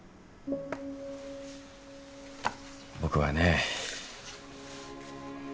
僕はね。